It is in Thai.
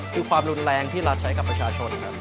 คือความรุนแรงที่รัฐใช้กับประชาชน